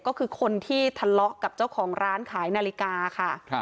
ก็คือคนที่ทะเลาะกับเจ้าของร้านขายนาฬิกาค่ะ